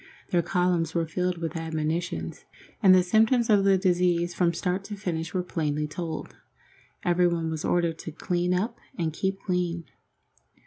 Their columns were filled with admonitions, and the symptoms of the disease from start to finish were plainly told. Everybody was ordered to clean up and keep clean.